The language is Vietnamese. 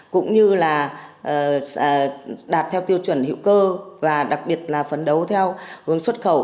cũng như là đạt theo tiêu chuẩn hữu cơ và đặc biệt là phấn đấu theo hướng xuất khẩu